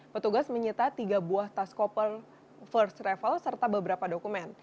petugas menyita tiga buah tas koper first travel serta beberapa dokumen